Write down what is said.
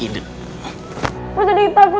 akhirnya harimau namco